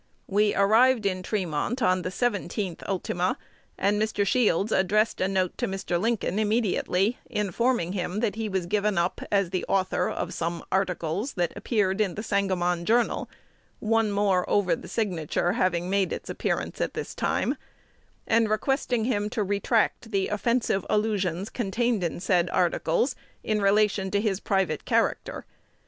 We arrived in Tremont on the 17th ult.; and Mr. Shields addressed a note to Mr. Lincoln immediately, informing him that he was given up as the author of some articles that appeared in "The Sangamon Journal" (one more over the signature having made its appearance at this time), and requesting him to retract the offensive allusions contained in said articles in relation to his private character.